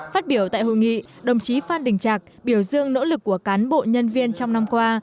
phát biểu tại hội nghị đồng chí phan đình trạc biểu dương nỗ lực của cán bộ nhân viên trong năm qua